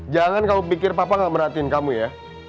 jangan kamu pikir papa gak merhatiin kamu ya